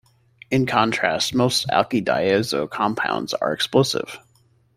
In contrast, most alkyldiazo compounds are explosive.